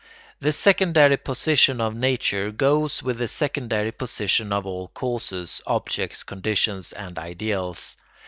The secondary position of nature goes with the secondary position of all causes, objects, conditions, and ideals.